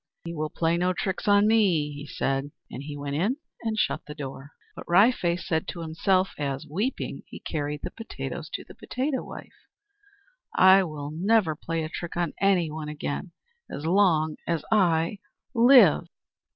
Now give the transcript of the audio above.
"He will play no tricks on me!" said he. And he went in and shut the door. But Wry Face said to himself as, weeping, he carried the potatoes to the potato wife: "I will never play a trick on anyone again, not as long as I live!"